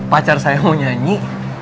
pacar saya mau nyanyi